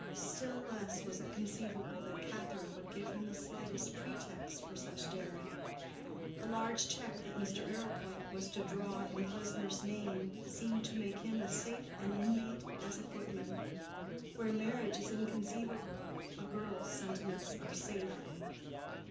Still less was it conceivable that Catherine would give him the slightest pretext for such daring. The large check that Mr. Arrowpoint was to draw in Klesmer's name seemed to make him as safe an inmate as a footman. Where marriage is inconceivable, a girl's sentiments are safe.